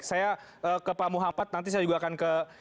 saya ke pak muhammad nanti saya juga akan ke